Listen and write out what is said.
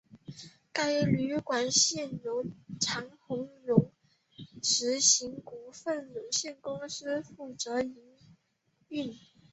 该旅馆现由长鸿荣实业股份有限公司负责营运。